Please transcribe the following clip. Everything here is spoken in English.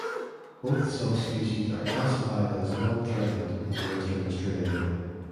Both subspecies are classified as "not threatened" in Western Australia.